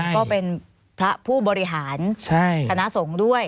ก็เป็นพระผู้บริหารคณะสงฆ์ด้วย